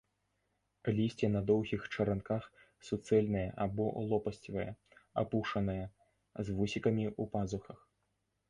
Лісце на доўгіх чаранках, суцэльнае або лопасцевае, апушанае, з вусікамі ў пазухах.